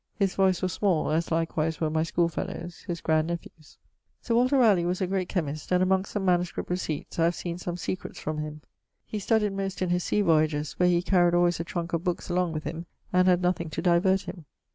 His voice was small, as likewise were my schoolfellowes', his grandnephewes. Sir Walter Ralegh was a great chymist; and amongst some MSS. reciepts, I have seen some secrets from him. He studyed most in his sea voyages, where he carried always a trunke of bookes along with him, and had nothing to divert him.